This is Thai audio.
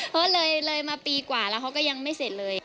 เพราะเลยมาปีกว่าแล้วเขาก็ยังไม่เสร็จเลย